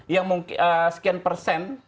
yang mungkin sekian persen